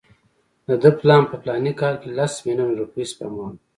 د ده پلان په فلاني کال کې لس میلیونه روپۍ سپما وه.